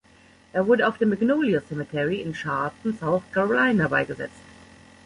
Er wurde auf dem Magnolia Cemetery in Charleston, South Carolina beigesetzt.